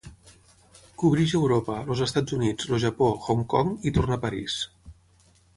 Cobreix Europa, els Estats Units, el Japó, Hong Kong i torna a París.